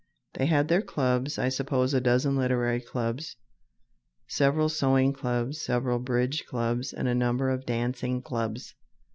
They had their clubs; I suppose a dozen literary clubs, several sewing clubs, several bridge clubs, and a number of dancing clubs.